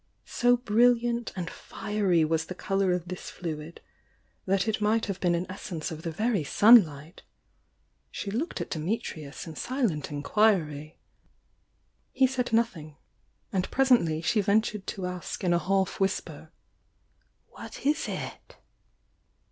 So brilliant and fiery was the colour of this fluid, that it might have been an essence of the very sunlight. She looked at Dimitrius in silent inquiry. He said nothing— and presently she ventured to ask in a half whisper: "What is it?"